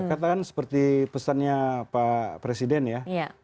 katakan seperti pesannya pak presiden ya